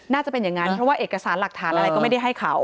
น่าจะเป็นอย่างนั้นเพราะว่าเอกสารหลักฐานอะไรก็ไม่ได้ให้เขา